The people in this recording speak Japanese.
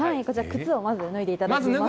こちら、靴をまず脱いでいただきまして。